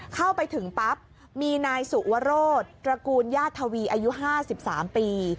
เข้าไปถึงปั๊บมีนายสุวรสตระกูลญาติทวีอายุ๕๓ปี